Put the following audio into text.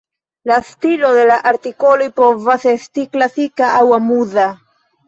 La stilo de la artikoloj povas esti "klasika aŭ amuza".